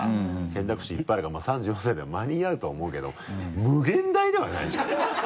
選択肢いっぱいあるからまぁ３４歳でも間に合うとは思うけど無限大ではないでしょ。